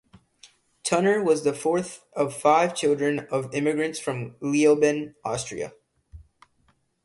Tunner was the fourth of five children of immigrants from Leoben, Austria.